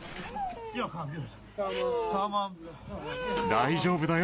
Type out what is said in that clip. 大丈夫だよ。